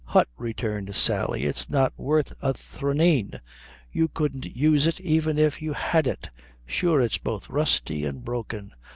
"Hut," returned Sally, "it's not worth a thraneen; you couldn't use it even if you had it; sure it's both rusty and broken."